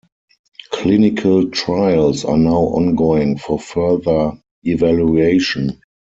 Clinical trials are now ongoing for further evaluation.